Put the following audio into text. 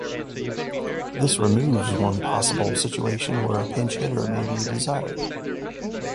This removes one possible situation where a pinch hitter may be desired.